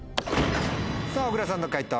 さぁ小倉さんの解答